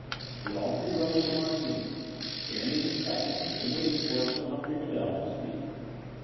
We all three rose from our seats, standing ex I)ectantly and waiting for Sir Humphrey Bedell to speak.